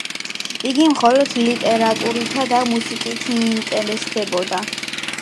იგი მხოლოდ ლიტერატურითა და მუსიკით ინტერესდებოდა.